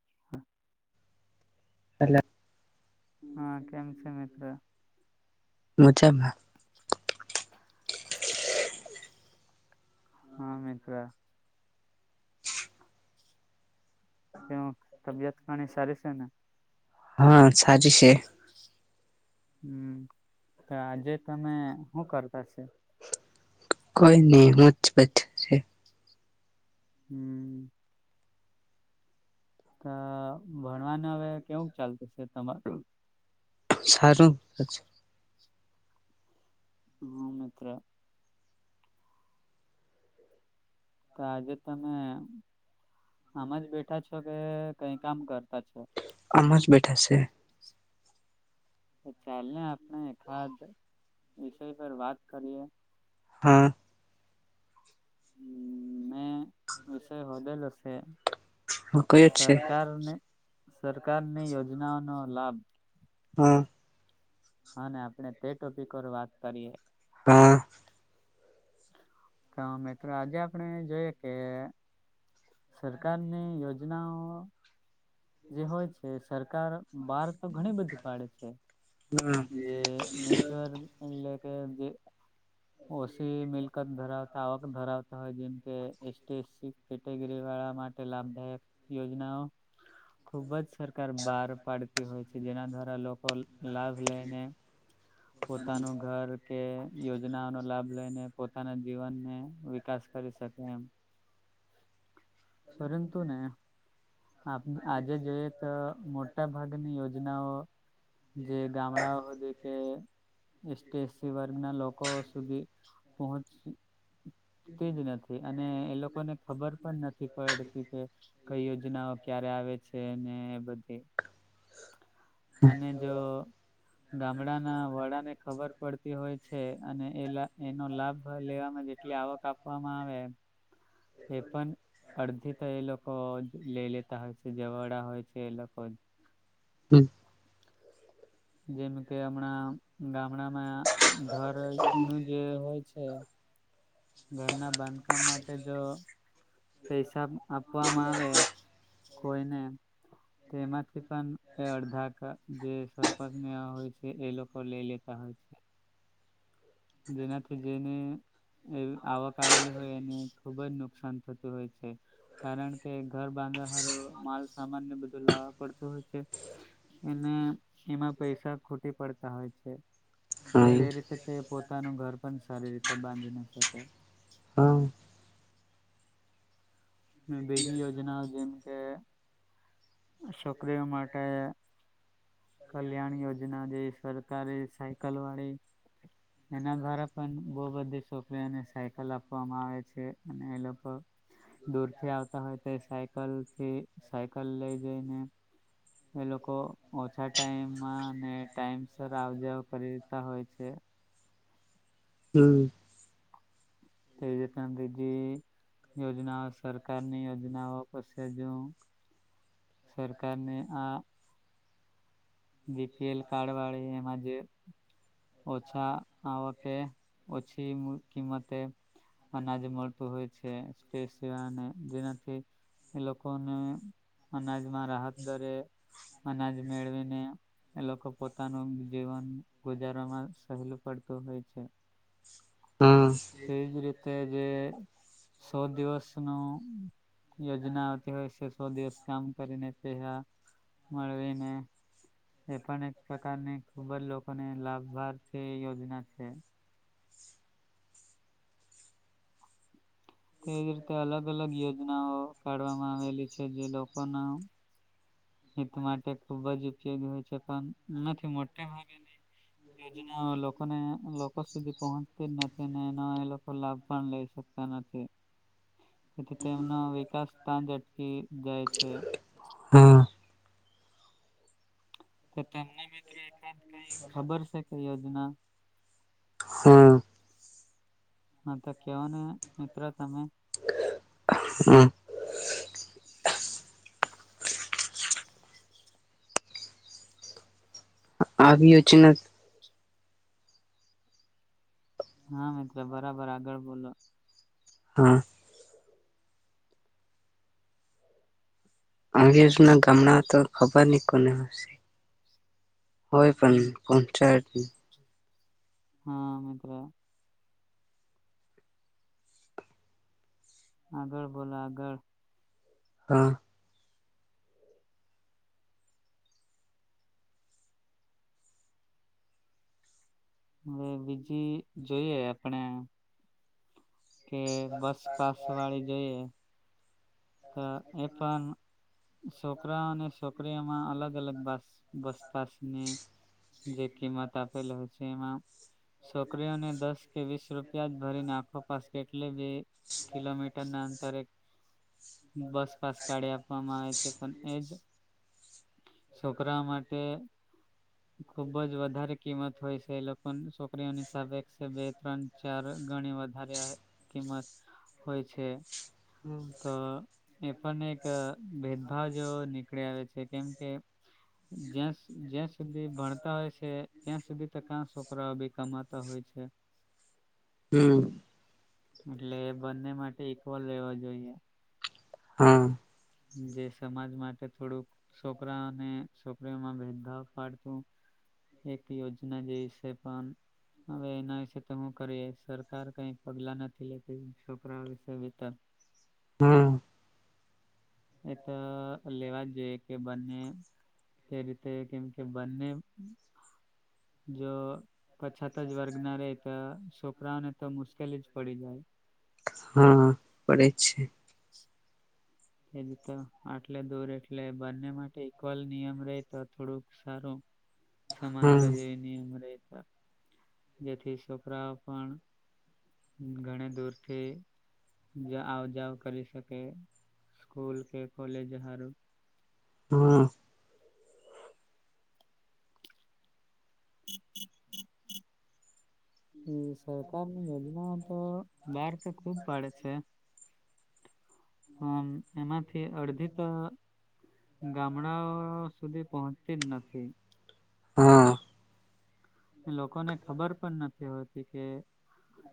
[inaudible] એટલે. હા કેમ છે મિત્ર. મજા મા હા મિત્ર. એ તબિયત ઘણી સારી છે ને. હા સાચી છે હમ્મ ત આજે તમે શું કરતા છ કોઈ નહી હું જ બશે હમ્મ તો ભણવાનું હવે કેવું ચાલતું છે તમારું સારું હ મિત્ર તો આજે તમે આમ જ બેઠા છો કે કઈ કામ કર અમાજ બેઠાશે ચાલ ને આપણે ખાદ વિષય પર વાત કરીએ હા હમ્મ મેં વિષય હોદેલો છે કયો જ છે સરકાર ને સરકારની યોજનાઓનો લાભ હા હા આપણે તે ટોપિક પર વાત કરીએ હા તો મિત્રો આજે આપણે જોઈએ કે સરકાર ની યોજના જેના જે હોય છે સરકાર બહાર તો ઘણી બધી પાડે છે હા જે નેચર એટલે કેેજ જે ઓછી મિલકત ધરાવતા આવક ધરાવતા હોય જેમ કે S T S C category વાળા માટે લાભદાયક યોજનાઓ ખૂબ જ સરકાર બહાર પાડતી હોય છે જેના દ્વારા લોકો લાભ લઈને પોતાનું ઘર કે યોજનાઓનો લાભ લઈને પોતાના જીવનને વિકાસ કરી શકે એમ પરંતુ ને આપ આજે જોઈએ તો મોટા ભાગની યોજનાઓ જે ગામડાઓ સુધી કે એસટી એસસી વર્ગના લોકો સુધી પહોંચતી જ નથી અને એ લોકોને ખબર પણ નથી પડતી કે કઈ યોજનાઓ ક્યારે આવે છે ને બધી અને જો ગામડાના વડાને ખબર પડતી હોય છે અને એ એનો લાભ લેવામાં જેટલી આવક આપવામાં આવે એ પણ અડધી તો એ લોકો લે લેતા હોય છે જવાડા હોય છે એ લોકો હમ જેમ કે હમણાં ગામડામાં. ઘર નું જે હોય છે. ઘરના બાંધકામ માટે જો. પસ. આપવામાં આવે કોઈને. તેમાંથી પણ અડધા જે સરપંચ હોય છે એ લોકો લઈ લેતા હોય છે. જેનાથી જેને આવક આવેલી હોય એને ખુબ જ નુકસાન થતું હોય છે કારણ કે ઘર બાંધહરો માલ સામાનને બધું લાવવા પડતું હોય છે અનેને એમાં પૈસા ખોટી પડતા હોય છે હા તે રીતે તે. પોતાનું ઘર પણ સારી રીતે બાંધી ના શકે. હા. બીજી યોજના જેમ કે. છોકરીઓ માટે કલ્યાણ યોજના જે સરકારી સાયકલ વાળી એના દ્વારા પણ બહ બધી છોકરીઓને સાયકલ આપવામાં આવે છે અને એ લોકો દૂર. આવતા હોય તો સાયકલ થી સાયકલ લઈ જઈને. એ લોકો ઓછા ટાઈમમાં અને ટાઈમસ આવજાવ કરી દેતા હોય છે. હમ. તેવી ર પણ બીજી યોજનાઓ સરકારની યોજનાઓ પસે હજુ સરકારને આ. બીપીએલ કાર્ડ વાળી એમાં જે ઓછા આવકે ઓછી કિંમતે અનાજ મળતું હોય છેપ. વા અને જેનાથી એ લોકોને. અનાજમાં રાહત દરે અનાજ મેળવીને. એ લોકો પોતાનું જીવન ગુજારવામાં સહેલું પડતું હોય છે તેવીજ રીતે. જે. સો દિવસ નું. યોજના આવતી હોય છે. સો દિવસ કામ કરીને પેસા મળવીને. પણ એક પ્રકારની ખૂબ જ લોકોને લાભાર્થી યોજના છે. તેજ રીતે અલગ અલગ યોજનાઓ કાઢવામાં આવેલી છે જે લોકો. પનાવ. હિત માટે ખુબ જ ઉપયોગી હોય છે. [inaudible] મોટે ભાગેની યોજના લોકોને લોકો સુધી પહોંચતી જ નથી એનો એ લોકો લાભ પણ લઈ શકતા નથી તેથી તેમનો વિકાસ સ્થ અટકી જાય છે. હા હા તમને મિત્ર. [inaudible] હા તો કેવ ને મિત્ર તમે. હમ. આવી હ છે. હા મિત્ર બરાબર આગળ બોલો. હા. અંગ્રેજના ગામડા તો ખભરની કોને હશે. હય હમ પણ પહચા. જ. હા મિત્રો. આગળ બોલો આગળ. હા. હવે બીજી જોઈએ આપણે. કે બસ પાસ વાળી જોઈએ. એ પણ છોકરાઓ અને છોકરીઓમાં અલગ અલગસ બસપાસની જે કિંમત આપેલી હોય છે એમાં છોકરીઓને દસ કે વીસ રૂપિયા જ ભરીને આખોપાસ કેટલી બે કિલોમીટર ના અંતરે. બસ પાસ કાઢી આપવામાં આવે છે પણ એજ છોકરાઓ માટે ખુબ જ વધારે કિંમત હોય છે એ લોકો છોકરીઓનીિ સાબ બે ત્રણ ચાર ગણી વધારે કિંમત હોય છે. તો. એ પણ એક ભેદભાવ જો નીકળી આવે છે કેમ કે. જ્યાં જ્યાં સુધી ભણતા હોય છે ત્યાં સુધી તો ક છોકરા બી કમાતા હોય છે. હમ. એટલે બંને માટે ઈક્વલ રહેેવા જોઈએ. હા. જે સમાજ માટે થોડુંક છોકરા અને છોકરીઓમાં ભેદભાવ પાડતું એક યોજના જે વિશે પણ હવે એના વિશે તો હું કરીએ સરકાર કઈ પગલા નથી લેતી છોકરાઓ વિશે વિતર. હમ. એ તો લેવા જ જોઈએ કે બંને તે રીતે કેમ કે બંને જો. પછાત જ વર્ગ ના રેતા શો. છોકરાઓને તો મુશ્કેલી જ પડી જાય. હા પડે છે. તે જ તો આટલે દૂર એટલે બંને માટે ઈક્વલ નિયમ ર તો થોડુંક સારું. સમાનતા હમ જેવી નની અમ ર. જેથી છોકરાઓ પણ ઘણી દૂરથી આવજાવ કરી શકે. સ્સ્કૂલ કે કોલેજ હાર. હા. હમ. એ સ સરકાર ન યોજના. તો. બહાર તો ખૂબ પાડે છે. પણ એમાંથી અડધી તો ગામડાઓ સુધી. પહોંચતી નથી. હા. લોકોને ખબર પણ નથી હોતી કે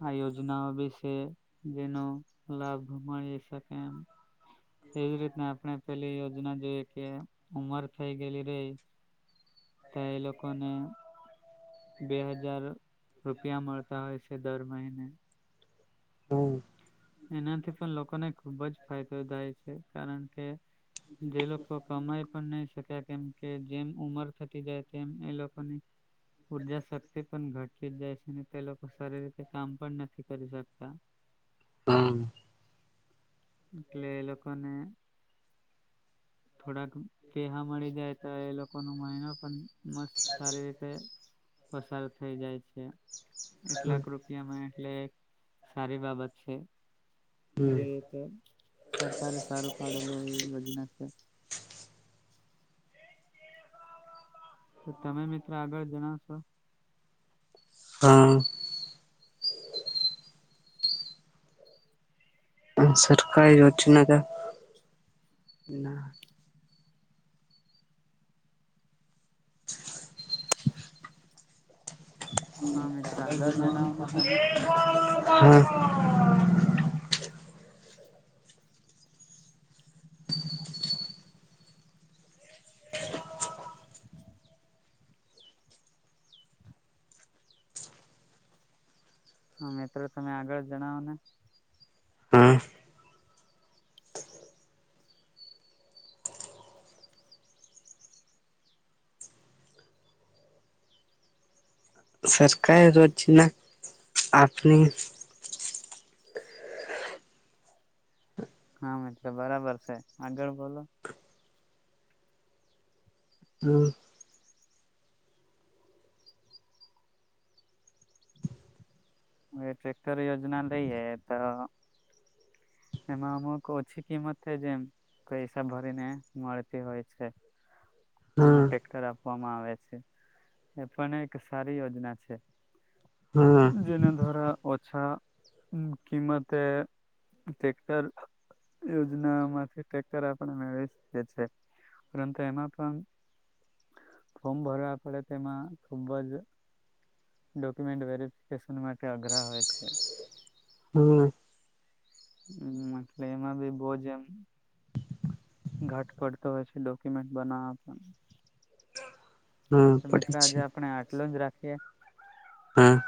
આ યોજનાઓ વિશે જેનો લાભ મળી શકે એમ. એજ રીતના આપણે પેલી યોજના જોઈએ કે, ઉમર થઈ ગયેલી રહી તો એ લોકોને બે હજાર રૂપિયા મળતા હોય છે દર મહિને હમ્મ એનાથી પણ લોકોને ખુબ જ ફાયદો થાય છે. કારણ કે જે લોકો કમાય પણ નહી શક્યા કેમ કે જેમ ઉમર થતી જાય તેમ લોકોને ઉર્જા શક્તિ પણ ઘટી જ જાય છે. અને તે લોકો સારી રીતે કામ પણ નથી કરી શકતા. હમ્મ એટલે એ લોકોને થોડાક પેહા મળી જાય, તો એ લોકો નુ મહિનો પણ મસ્ત સારી રીતે પસાર થઈ જાય છે. એકલાક રૂપિયામાં એટલે સારી બાબત છે. જે સરકારે સારું કાઢેલું એ યોજના [inaudible] તો તમે મિત તો આગળ જણા છો. હા. [unintelligible] કઈ [unintelligible] ના [inaudible] હા મિત્ર આગળ જણાવો ને તમે [unintelligible] [inaudible] હા, મિત્રો તમે આગળ જણાવો ને હા સરકારે રોજના આપની હા મિત્ર બરાબર છે. આગળ બોલો હમ્મ ટ્રેક્ટર યોજના લઈએ તો એમાં અમુક ઓછી કિંમત થઇ ગઈ છે. જેમ પૈસા ભરીને મળતી હોય છે. એમાં હમ ટ્રેક્ટર આપવામાં આવે છે. એ પણ એક સારી યોજના છે. હા જેના દ્વારા ઓછા કિંમતે તેક્ટર યોજના માંથી તેક્ટર આપણે મેળવી શકી છે. પરંતુ એમાં પણ ફોર્મ ભરવા પડે તેમાં ખુબ જ ડોક્યુમેન્ટ વેરફિકેશન માટે તે આગ્રહવે છે. હમ્મ હમ્મ, એટલે એમાં બી બહજ એમ ઘાટ પડતો હોય છે. ડોક્યુમેન્ટ બનાવવા પણ હમ તો પડે મિત્રો આજે છે આપણે આટલું જ રાખીએ. હા.